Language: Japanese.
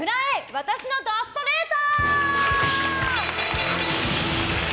私の怒ストレート。